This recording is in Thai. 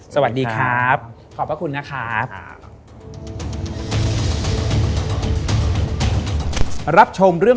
สวัสดีครับ